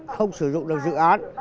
không sử dụng được dự án